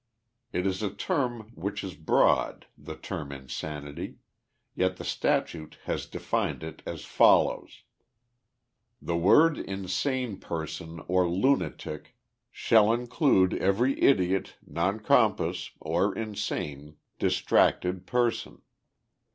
It is a term which is broad, the term insanity ; yet the statute lias defined it as follows : 4 The word insane person, or lunatic, shall include every idiot, non compos, or insane, distracted person.